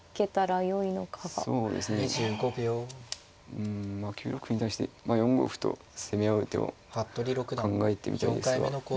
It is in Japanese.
うんまあ９六歩に対して４五歩と攻め合う手を考えてみたいですが。